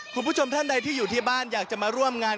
คุณผู้ชมท่านใดที่อยู่ที่บ้านอยากจะมาร่วมงาน